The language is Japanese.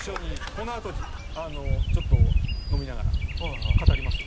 このあとちょっと飲みながら語りますよ。